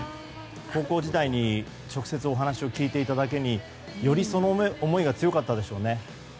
高校時代に直接お話を聞いていただけにより、その思いが強かったでしょうね。